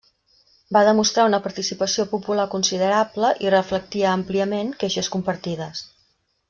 Va demostrar una participació popular considerable, i reflectia àmpliament queixes compartides.